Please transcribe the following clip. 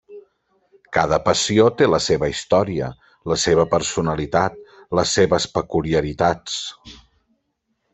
Cada Passió té la seva història, la seva personalitat, les seves peculiaritats.